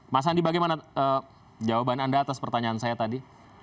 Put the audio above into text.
mas andi bagaimana jawaban anda atas pertanyaan saya tadi